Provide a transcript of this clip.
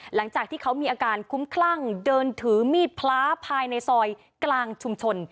หลังจากที่เขามีอาการคุ้มคลั่งเดินถือมีดพระภายในซอยกลางชุมชน